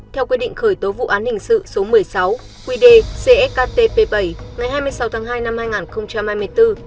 theo quy định khởi tố vụ án hình sự số một mươi sáu quy đề csktp bảy ngày hai mươi sáu tháng hai năm hai nghìn hai mươi bốn